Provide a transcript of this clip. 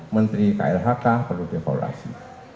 menteri klhk perlu devaluasi